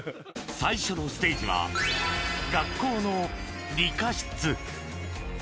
最初のステージは学校の理科室